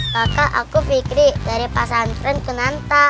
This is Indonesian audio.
kakak aku fikri dari pasantren kunanta